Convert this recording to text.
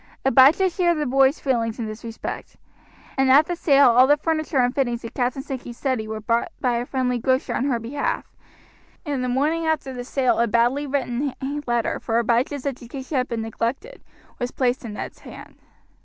Abijah shared the boy's feelings in this respect, and at the sale all the furniture and fittings of Captain Sankey's study were bought by a friendly grocer on her behalf, and the morning after the sale a badly written letter, for Abijah's education had been neglected, was placed in Ned's hand.